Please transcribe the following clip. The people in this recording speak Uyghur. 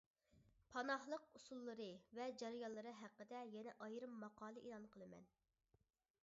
پاناھلىق ئۇسۇللىرى ۋە جەريانلىرى ھەققىدە يەنە ئايرىم ماقالە ئېلان قىلىمەن.